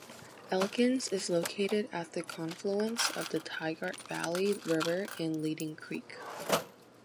Elkins is located at the confluence of the Tygart Valley River and Leading Creek.